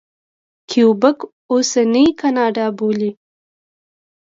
کیوبک اوسنۍ کاناډا بولي.